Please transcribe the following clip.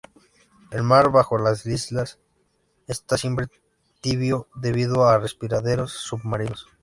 El mar bajo las islas esta siempre tibio debido a respiraderos submarinos.